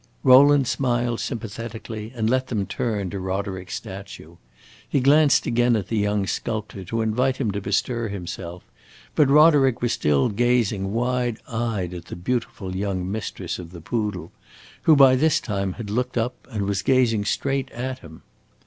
Rowland smiled sympathetically, and let them turn to Roderick's statue. He glanced again at the young sculptor, to invite him to bestir himself, but Roderick was still gazing wide eyed at the beautiful young mistress of the poodle, who by this time had looked up and was gazing straight at him.